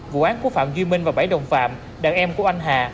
vụ án của phạm duy minh và bảy đồng phạm đàn em của anh hà